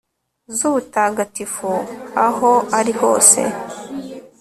z'ubutagatifu aho ari hose